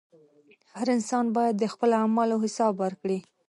• هر انسان باید د خپلو اعمالو حساب ورکړي.